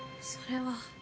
それは。